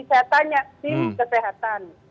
saya tanya tim kesehatan